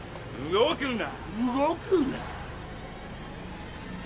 動くな！